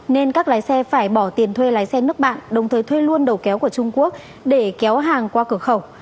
nên các lái xe phải bỏ tiền thuê lái xe nước bạn đồng thời thuê luôn đầu kéo của trung quốc để kéo hàng qua cửa khẩu